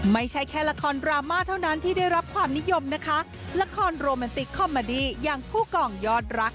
ไม่ใช่แค่ละครดราม่าเท่านั้นที่ได้รับความนิยมนะคะละครโรแมนติกคอมเมอดี้อย่างคู่กล่องยอดรัก